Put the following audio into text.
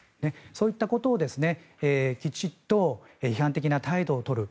そういったことをきちんと批判的な態度を取る。